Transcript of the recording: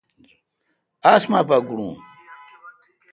اسمان پاگوڑون۔